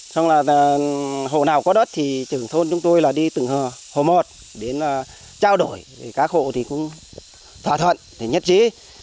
xong là hộ nào có đất thì trưởng thôn chúng tôi là đi từng hồ hồ một đến là trao đổi các hộ thì cũng thỏa thuận nhất trí